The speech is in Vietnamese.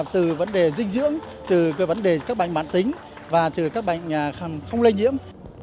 từ vấn đề dinh dưỡng từ vấn đề các bệnh bản tính và từ các bệnh không lây nhiễm